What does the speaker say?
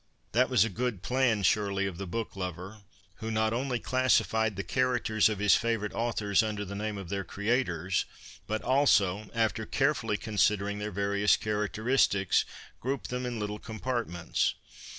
That was a good plan, surely, of the book lover who not only classified the characters of his favourite authors under the name of their creators, but also, after carefully considering their various character istics, grouped them in little compartments.